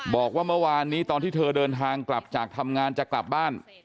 บอกว่าเมื่อวานนี้ตอนที่เธอเดินทางกลับจากทำงานจะกลับบ้าน